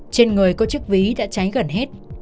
trên người có chiếc ví đã cháy gần hết